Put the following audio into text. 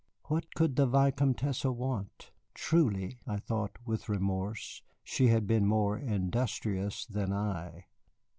What could the Vicomtesse want? Truly (I thought with remorse) she had been more industrious than I.